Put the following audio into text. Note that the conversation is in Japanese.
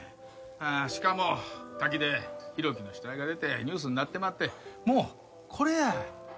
しかも滝で浩喜の死体が出てニュースになってまってもうこれや。